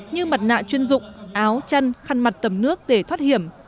như mặt nạ chuyên dụng áo chân khăn mặt tầm nước để thoát hiểm